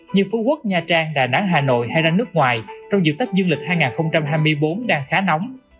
như phú quốc nha trang đà nẵng hà nội hay ra nước ngoài trong dự tách du lịch hai nghìn hai mươi bốn đang khá nóng